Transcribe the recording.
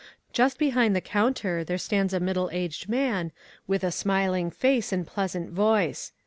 Just behind the counter stands a middle aged man, with a smiling face and pleasant voice.